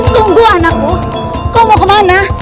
tunggu anakmu kau mau kemana